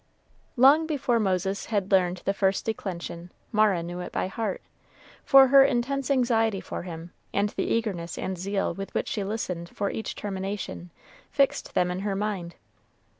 Long before Moses had learned the first declension, Mara knew it by heart; for her intense anxiety for him, and the eagerness and zeal with which she listened for each termination, fixed them in her mind.